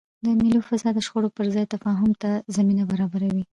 د مېلو فضا د شخړو پر ځای تفاهم ته زمینه برابروي.